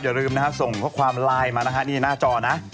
อย่าลืมนะฮะส่งข้อความไลน์มานะฮะนี่หน้าจอนะ